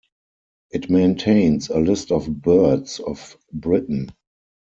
It maintains a list of birds of Britain.